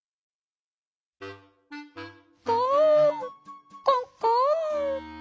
「コンコンコン。